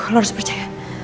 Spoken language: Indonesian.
lo harus percaya